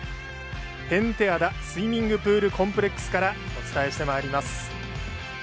ペンテアダスイミングプールコンプレックスからお伝えしてまいります。